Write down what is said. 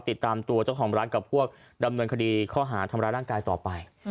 ติดตามตัวเจ้าของร้านกับพวกดำเนินคดีข้อหาทำร้ายร่างกายต่อไป